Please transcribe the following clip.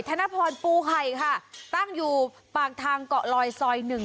ธนพรปูไข่ค่ะตั้งอยู่ปากทางเกาะลอยซอยหนึ่ง